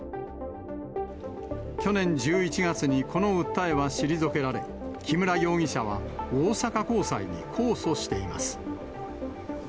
去年１１月にこの訴えは退けられ、木村容疑者は大阪高裁に控訴しています。